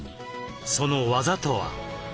その技とは？